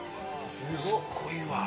すごいわ。